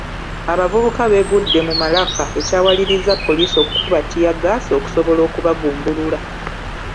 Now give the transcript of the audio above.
Abavubuka beegudde mu malaka ekyawalirizza poliisi okukuba ttiyaggaasi okusobola okubagumbulula.